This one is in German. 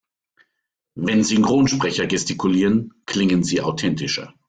Wenn Synchronsprecher gestikulieren, klingen sie authentischer.